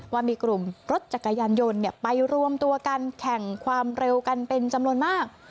ว่ามีกลุ่มรถจักรยานยนต์ไปรวมตัวกันแข่งความเร็วกันเป็นจำนวนมาก